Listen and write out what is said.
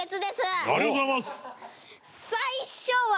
最初は。